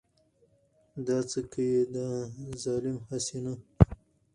دا څه که يې دا ظالم هسې نه .